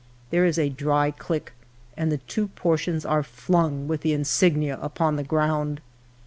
There is a dry click, and the two portions are flung with the insignia upon the ground.